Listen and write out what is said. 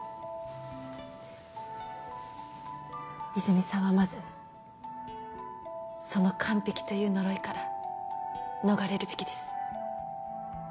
泉さんはまずその「完璧」という呪いから逃れるべきです。